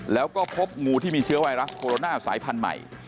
แล้วก็พบงูที่มีเชื้อไวรัสโคโรนาสายพันธุ์ใหม่